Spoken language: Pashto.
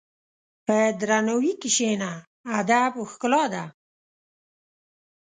په درناوي کښېنه، ادب ښکلا ده.